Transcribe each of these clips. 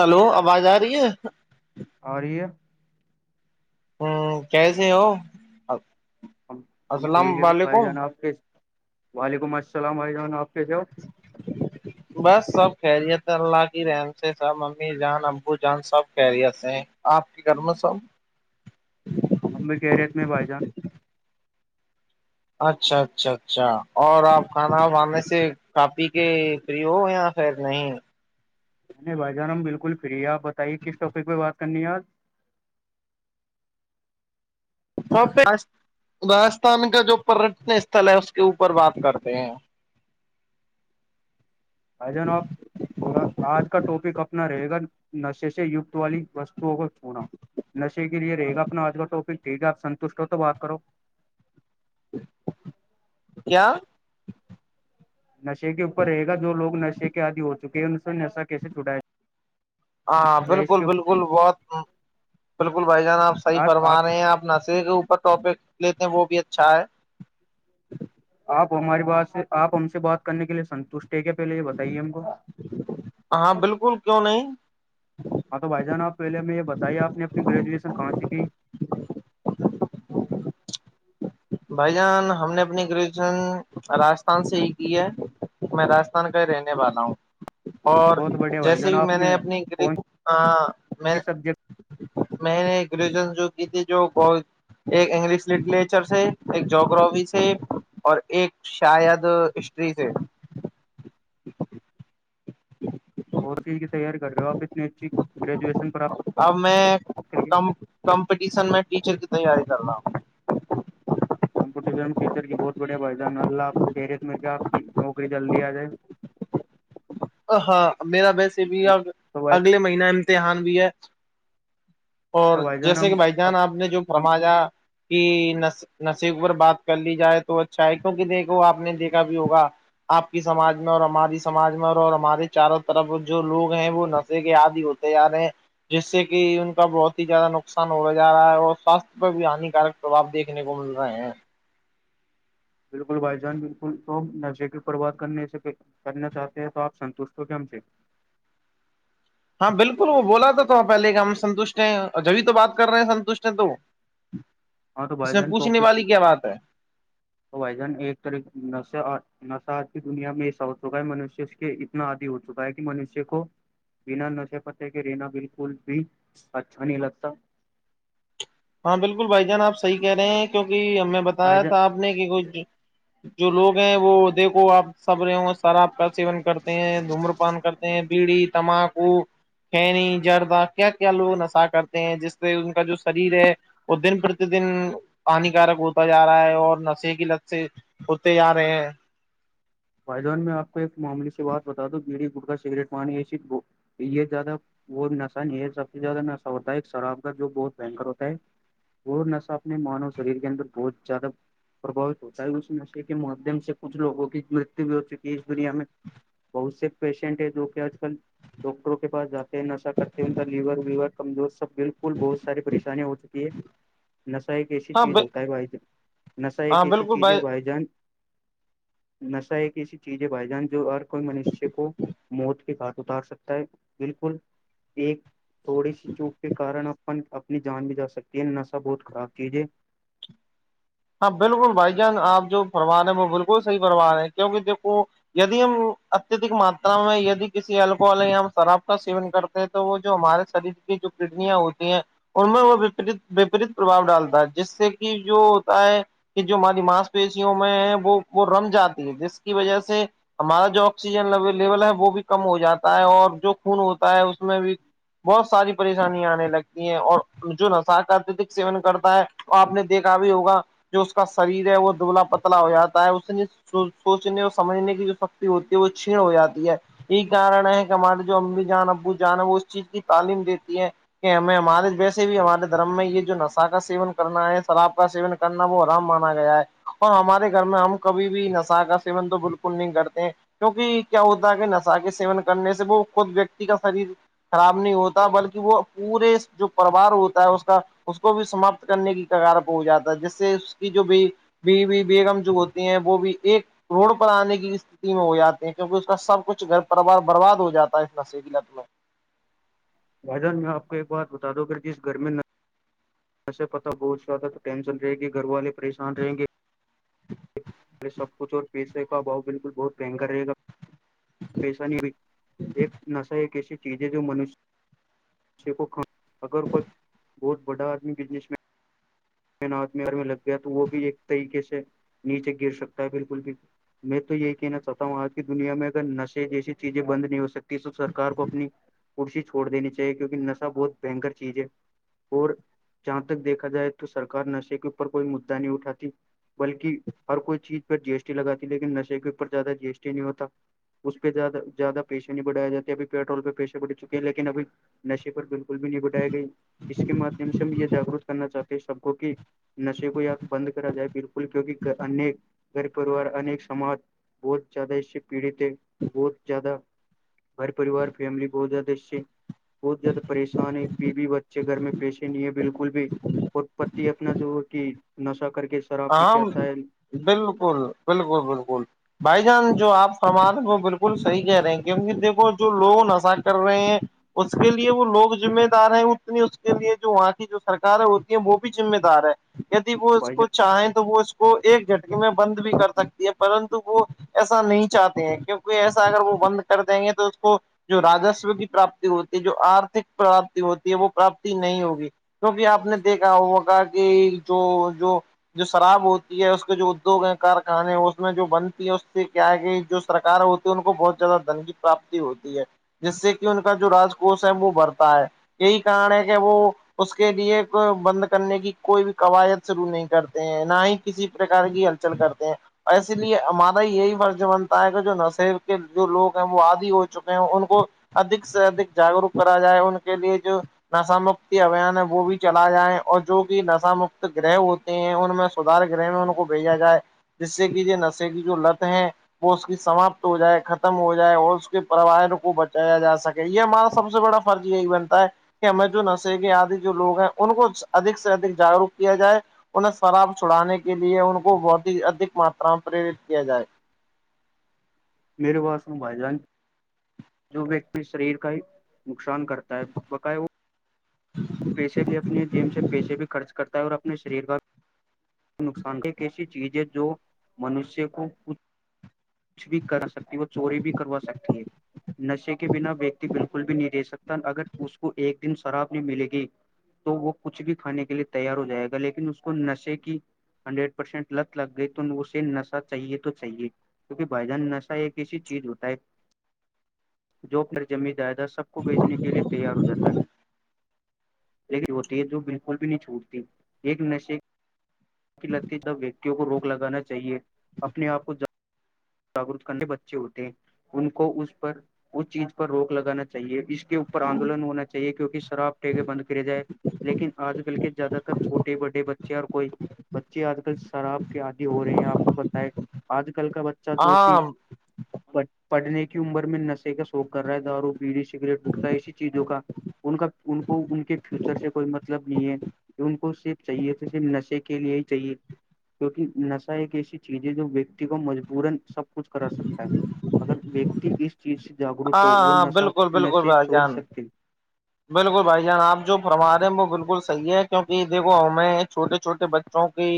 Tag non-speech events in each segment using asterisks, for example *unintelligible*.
Hello آواز آ رہی ہے اور یہ ہوں کیسے ہو ہم ہم ٹھیک السلام ہے بھائی علیکم جان آپ کے وعلیکم السلام بھائی جان آپ کے جو بس سب خیریت ہے اللہ کی رحن سے سب امی جان ابو جان سب خیریت ہیں آپ کی گ میں صاب اب میں کہہ رہے ات میں بھائی جان اچھا اچھا اچھا اور آپ کھانا بھانے سے کاپی کے فری ہو یا خر نہیں نہیں نے بھائی جان ہم بالکل فری ہے آپ بتائیے کس ٹاپک پہ بات کرنی ہے آج تو راجستان کا جو پٹن استل ہے اس کے اوپر بات کرتے ہیں آ جان آپ پورا آج کا ٹاپک اب نہ رہے گا نشے سے یت والی وستوؤں کو چھونا نشے کے لیے رہے گا اپنا آج کا ٹاپک ٹھیک ہے آپ ستوشٹ ہو تو بات کرو کیا نشے کے اوپر رہے گا جو لگ نشے کے آدی ہو چکے ہیں ان نے نشہ کیسے چھڑایا ہاں بالکل بالکل بہت بالکل بھائی جان آپ صحیح فرما رہے ہیں آپ نشرے کے اوپر ٹاپک لیتے ہیں وہ بھی اچھا ہے آپ ہماری بات سے آپ ہم سے بات کرنے کے لیے سنتشٹ ٹھیک ہے پہلے یہ بتائیے ہم کو ہاں بالکل کیوں نہیں ہاں تو بھائی جان آپ پہے ہم میں یہ بتائی آپ نے اپنی گریجویشن کہاں سی تھی بھائی جان ہم نے اپنی گریجویشن راجستھان سے ہی کی ہے میں راستھان کا ہی رہنے والا ہوں اور بہت بڑھیا بھائی جان جیسے آپ میں نے اپنی کون میں سی سبجیکٹ میں نے گریجویشن جو کی تھی جو بہ ایک انگلش لٹریچر سے ایک جگررافی سے اور ایک شاید ہسٹری سے ج بہت چیز کی تیاری کر رہے ہو آپ اتنی اچھی گریجویشن پر آپ اب میں کمپٹیشن میں ٹیچر کی تیاری کر رہا ہوں کمپٹیشن ٹیچر کی بہت بڑھیا بائی جان اللہ آپ کو کیریئر کر کے آپ کی نوکری جلدی آ جائے *inaudible* ہاں میرا ویسے بھی تو بھائی اگلے مہین امتحان بھی ہے تو اور بھائی جان جیسے ہم کہ بھائی اب جان آپ نے جو ہم فرمایا کہ نشے پر بات کر لی جائے تو اچھا ہے کیونکہ دیکھو آپ نے دیکھا بھی ہوگا آپ کی سماج میں اور ہماری سماج میں اور ہمارے چاروں طرف جو لوگ ہیں وہ نشے کے آدی ہوتے جا رہے ہیں جس سے کہ ان کا بہت ہی زیادہ نقصان ہوتا جا رہا ہے اور سواستھ پہ بھی ہانیکارک پرباب دیکھنے کو مل رہا ہے بالکل بھائی جان بالکل تو نشے کی پرباد کرنے سے کرنا چاہتے ہیں تو آپ سنوش تو کیم سے ہاں بالکل وہ بولا تھا تو پہلے کہ ہم سنٹ ہیں جبھی تو بات کر رہے ہیں سنتشٹ ہیں تو ہاں تو اس بھائی میں پوچھنے والی کیا بات ہے؟ وزن ایک طریق نس کی دنیا میں س کا منشیہ اس کے اتنا آادی ہو چکا ہے کہ منشیہ کو بنا نشے پتے کے رینا بالکل بھی اچھا نہیں لگتا ہاں بالکل بھائی جان آپ صحی کہہ رہے ہیں کیوںکہ ہمیں بتایا بھائی جان تھا آپ نے کہ کچھ جو لوگ ہیں وہ دیکھو آپ سبروں شراب کا سیون کرتے ہیں دھومر پان کرتے ہیں بیڑی تمباکو کنی جردہ کیا کیا لوگ نشہ کرتے ہیں جس سے ان کا جو ہے وہ دن پرتیدن ہانیکارک ہوتا جا رہا ہے اور نشے کی لت سے ہوتے جا رہے ہیں فھدان میں آپ کو ایک معاموے سے بات بتا دوں گڑی گٹکا سگریٹ پانی ای یہ زیادہ وہ نشہ نہیں ہے سب سے زیادہ نشہ ہوتا ہے ایک شراب کا جو بہت بنکر ہوتا ہے اور نشہ اپنے مانو شریر کے اندر بہت زیادہ پرھاوت ہوتا ہے اس نشے کے ماددھیم سے کچھ لوگوں کی متو بھی ہو چک ہے اس دنیا میں بہت سے پیشنٹ ہیں جو کہ آج کل ڈاکٹروں کے پاس جاتے ہیں نشا کرتے ہیں ان کا لیور ویور کمزور سب بالل کل بہت ساری پریشانی ہو چکی ہے نسا ایک ایسی ہاں چیز ہو کیا بھائی نسا ہاں ایک ایسی بالکل چیز ہے بھائی جان سا ایک ایسی چیز ہے بائی جان جو ہر کوئی منشی کو موت کے گاٹ اتار سکتا ہے بالکل ایک تھوڑی سی چوک کے کارن اپن اپنی جان بھی جا سکتی ہے نشہ بہت خراب چیز ہے ہاں بالکل بھائی جان آپ جو فروار ہیں وہ بالکل صحی فوان ہیں کیونکہ دیکھو ید ہم اتدک ماتا میں کسی اللکحل یا ہم شراب کا سین کرتے تو وہ جو ہمارے شریر کی جو کڈنیاں ہوتی ہیں ان میں وہپریت وپریت پرباؤ ڈالتا ہے جس سے کہ جو ہے کہ جو ہماری ماس پیشیوں میں ہے وہ وہ رم جاتی ہے جس کی وجہ سے ہمارا جو آکسیجن لیول ہے وہ بھی کم ہو جاتا ہے اور جو خون ہوتا ہے اس میں بھی بہت ساری پریشانیاں آنے لگتی ہیں اور جو نسا کا اتدک سیون کرتا ہے آپ نے دیکھا بھی ہوگا جو اس کا شریر ہے وہ دبلا پتلا ہو جاتا ہے اس س سوچنے اور سمجھنے کی جو شکتی ہوتی ہے وہ چھین ہو جاتی ہے یہی کارن ہے کہ ہمارے جو امی جان ابو جان ہے وہ اس چیز کی تعلیم دیتی ہے کہ ہمیں ہمارے جیسے بھی ہمارے دھرم میں یہ جو نشا کا سیون کرنا ہے شراب کا سیون کرنا وہ آرام مانا گیا ہے اور ہمارے گھر میں ہم کبھی بھی نشہ کا سیون تو بالکل نہیں کرتے کیونکہ کیا ہوتا ہے کہ نشا کے سیون کرنے سے وہ خود ویکتی کا شریر خراب نہیں ہوتا بلکہ وہ پورے جو پروار ہوتا ہے اس کا اس کو بھی سماپت کرنے کی کگارپ ہو جاتا ہے جس سے اس کی جو بھی بی وی بیگم جو ہوتی ہیں وہ بھی ایک روڈ پر آنے کی ہو جاتے ہیں کیونکہ اس کا سب کچھ گھر پروار برباد ہو جاتا ہے اس نصیبت میں بھائی جان میں آپ کو ایک بات بتا دووں اگر جس گھر میں ایسے پتا بہچ رہا تھا تو ٹینشن رہے گی گھر والے پریشان رہیں گے ج ار سب کچھ اور پیشے کا بھؤ بالکل بہت بہنگا رہےا پیسہ نہیں ایک نشا ایک ایسی چیز ہے جو منش کو ک اگر کوئی بہت بڑا آدمی بزنس مین ینات مر میں لگ گیا تو وہ بھی ایک طریقے سے نیچے گر سکتا ہے بالکل بھی میں تو یہی کہنا چاہتا ہوں آج کی دنیا میں اگر نشے جیسی چیزیں بند نہیں ہو سکتی تو سرار کو اپنی کرسی چھوڑ دینی چاہیے کیونکہ نشا بہت بنکر چیز ہے اور جہاں تک دیکھا جائے تو سرک نشے کے اوپر کوئی مدا نہیں اٹھاتی بلکہ ہر کوئی چیز پ جی ایسٹی لگاتی لیکن نشے کے اوپر زیادہ جی ایس ٹی نہیں ہوتا اس پہیادہ زیادہ پیشے نہیں بڑھائے جے اب پیٹرول پہ پیشے بڑھ چکے ہیں لیکن ابھی نشے پر بالکل بھی نہیںبٹائی گئی اس کے مادھیم سے ہم یہ جاگرک کرنا چاہتے سب کو کہ نشے کو یا بند کرا جائے بالکل کیوںکہ گھر پریوار انیک سماج بہت زیادہ اس سے پیڑت ہے بہت زیادہ گر پریوار فیملی بہت زیادہ اچے بہت زیادہ پریشان ہے بیوی بچے گھر میں پیشے نہیں ہے بالکل بھی اتپتی اپنا جو کہ نشہ کر کے شراب پی کے ہم آتا ہے بالکل بالکل بالکل بھائی جان جو آپ سمال وہ بالکل صحیح کہہ رہے ہیں کیونکہ دیکھو جو لوگ نشا کر رہے ہیں اس کے لیے وہ لوگ ذمے دار ہیں اتنی اس کے لیے جو وہاں کی جو سرکیں ہوتی ہیں وہ بھی ذمہ دار ہے یدی وہ اس بھائی کو جان چاہیں تو وہ اس کو ایک جھٹکی میں بند بھی کر سکتی ہے پرنت وہ ایسا نہیں چاہتے ہیں کیونکہ ایسا اگر وہ بند کر دیں گے تو اس کو جو رجسو کی پراپتی ہوتی ہے جو آرتھک پراپتی ہوتی ہے وہ پراپتی نہیں ہوگی کیکہ آپ نے دیکھا ہوا کہ کہ جو جو جو شراب ہوتی ہے اس کے جو ادوگ ہیں کارخانے اس میں جو بنتی ہے اس سے کیا ہے کہ جو سرک ہوتی ان کو بہت زیادہ دھن کی پراپتی ہوتی ہے جس سے کہ ان کا جو رج کوش ہے وہ بھرتا ہے یہی کارن ہے کہ وہ اس کے لیے بند کرنے کی کوئی بھی قواعد شروع نہیں کرتے ہیں نہ ہی کسی پرک کی ہلچل کرتے ہیں اس لیے ہمارا یہی فرض بنتا ہے کہ جو نصب کے جو لوگ ہیں وہ آدی ہو چکے ہیں ان کو ادک سے ادھک جاگروک کرا جائے ان کے لیے جو نشا مکتی ابھیان ہے وہ بھی چلا جائے اور جو بھی نش مکت گرہ ہوتے ہیں ان میں سدار گرہ میں ان کو بھیجا جائے جس سے کہ یہ نشے کی جو لت ہے وہ اس کی سماپت ہو جائے ختم ہو جائے اور اس کے پرریوار کو بچایا جا سکے کہ یہ ہمارا سب سے بڑا فرض یہ ای بنتا ہے کہ ہمیں جو نش گے آدی جو لوگ ہیں ان کو ادک سے ادک جاگروک کیا جائے ان شراب چھڑانے کے لیے ان کو بہت ہی ادک ماترا میں پریرت کیا جائے میرے باس ہ بائی جان جو ویکتی شریر کا ہی نقصان کرتا ہے بقاع وہ پیسے بھی اپنے جیم سے پیسے بھی خرچ کرتا ہے اور اپنے شریر کا نقصان ایک ایسی چیز ہے جو منشیہ کو کچھ کچھ بھی کرا سکتی ہے وہ چوری بھی کروا سکتی ہے نشے کے بنا ویکتی بالکل بھی نہیں دے سکتی اگر اس کو ایک دن شراب بھی ملے گی تو وہ کچھ بھی کھانے کے لیے تیار ہو جائے گا لیکن اس کو نشے کی ہنڈریڈ پرسینٹ لت لگ گئی تو اسے نشا چاہیے تو چاہیے کیونکہ بھجن نشا ایک ایسی چیز ہوتا ہے جو جمی جائیداد سب کو بیچنے کے لیے تیار ہو جاتا ہے لیکن ہوتی ہے جو بالکل بھی نہیں چھوٹتی ایک نشے کی لتی جب ویکتیوں کو روک لگانا چاہیے اپنے آپ کو جب جاگگرت کرنے بچے ہوتے ہیں ان کو اس پر اس چیز پر روک لگانا چاہیے اس کے اوپر آندولن ہونا چاہیے کیوںک شراب ٹگے بند کرے جائے لیکن آج کل کے زیادہ تر چھوٹے بڑے بچے اور کوئی بچے آج کل شراب کے آدی ہو رہے ہیں آپ کو پت ہے آج کل کا ب ب جو کہ ہاں ہاں پڑھنے کی عمر میں نشے کا شوق کر رہا ہے دارو بیڑی سگریٹ بٹکا ایسی چیزوں کا ان کا ان کو ان کے فیوچر سے کوئی مطلب نہیں ہے کہ ان کو صرف چاہیے تو صرف نشے کے لیے ہی چاہیے نش ایک ایسی چیز ہے جو ویاکتیت کو مجبو *unintelligible* کچھ کر سکتا ہے اگر د اس چیز سے جاگروک ہو وہ ہاں نش بالکل بالکل نشے بھائی چھوڑ جان سکتے بالکل بھائی جان آپ جو فرما رہے ہیں وہ بالکل صحیح ہے کیونکہ دھو ہمیں چھٹے چوٹے بچے وں کی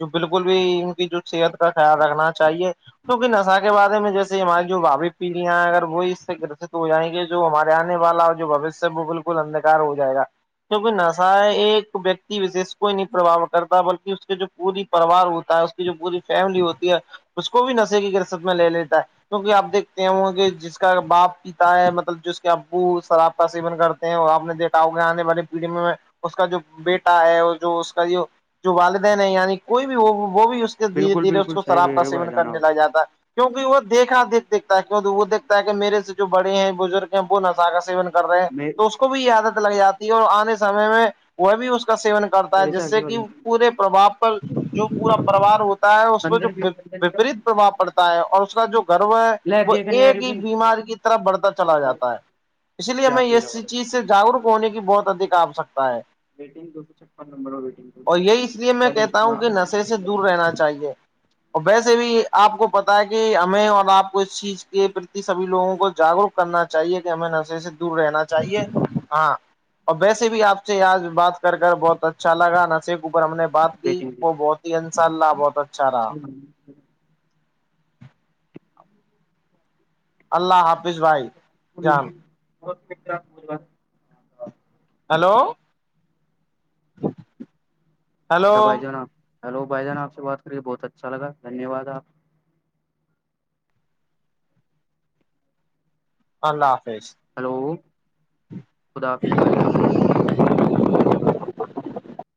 جو بالکل بھی ان کی جو صحت کا خیال رکھنا چاہیے کیک نشا کے بارے میں جیسے ہماری جو باوی پیڑیاں اگر وہی سے گرست ہو جائیں گے جو ہمارے آنے والا جو بوشیہ ہے وہ بالکل اندکار ہو جائے گا کیکہ نشا ہے ایک ویکتی وشش کوئی نہیں پربو کرتا بلکہ اس کے جو پوری پرریوار ہوتا ہے اس کی جو پوری فیملی ہوتی ہے اس کو بھی نشے کی قرست میں لے لیتا ہے کیونکہ آپ دیکھتے ہیں وہ کہ جس کا باپ پیتا ہے مطلب جوس کے ابو شراب کا سیون کرتے ہیں اور آپ نے دیکھا ہوگا آنے والی پیڑھی میں اس کا جو بیٹا ہے اور جو اس کا یہ جو والدین ہے یعنی کوئی بھی وہ وہ بھی دھیرے بالکل دھیرے اس بالکل کو صحیح شراب کہہ کا رہے ہو بھائی سیون جان کرنے آپ لگ جاتا ہے کیوںکہ وہ دیکھا دیکھ دھتا ہے وہ دیکتا ہے کہ میرے سے جو بڑے ہیں بزرگ ہیں وہ نشا سون کر رہے ہیں میں تو اس کو بھی عادت لگ جاتی ہے اور آنے سمے میں وہ بھی اس کو سیون کرتا ہے تیرے جس سے آگے کہ والا پورے پرباپ پر جو پورا پروار ہوتا ہے اس میں جو اندر بھی وپریت پرباؤ پڑتا ہے اور اس کا جو گرو ہے لے وہ دیکھ نہیں آ ایک رہی بیماری کی طرف بڑھتا چلا جاتا ہے اسی لیے جا ہمیں کے اس رہا چیز سے جاگروک ہونے کی بہت ادک آوشکتا ہے میٹنگ دو سو چھپن نمبر ویٹنگ اور یہ اس لیے میں کہتا ہوں کہ نشے سے دور رہنا چاہیے اور ویسے بھی آپ کو پتا ہے کہ ہمیں اور آپ کو اس چیز کےتی سبھی لووں کو جاگروک کرنا چاہیے کہ ہمیں نشے سے دور رہنا چاہیے ہاں اور ویسے بھی آپ سے ج بات کر بہت اچھا لگا نصب اور ہم نے بات کی وہ بہت ہی انشاء اللہ بہت اچھا رہا جیھ اللہ حافظ بھائی جان بہت م مجھ ہیلو ہیلو کیا بھائی جان آ ہیلو بھائی جان آ سے بات کریے بہت اچھا لگاھیہ واد آپ اللہ حافظ ہلو خدا حافظ بھائی جان ا *inaudible*